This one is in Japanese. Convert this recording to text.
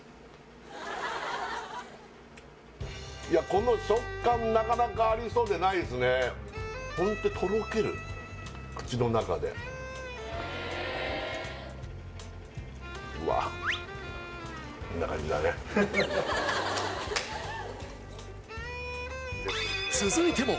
この食感なかなかありそうでないですねホントとろける口の中でうわっんな感じだね続いても